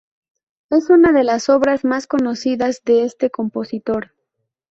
Es una de las obras más conocidas de este compositor.